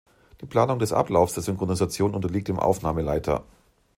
Die Planung des Ablaufs der Synchronisation unterliegt dem Aufnahmeleiter.